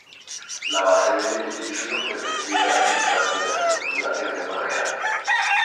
La base del edificio es de piedra mientras que la estructura es de madera.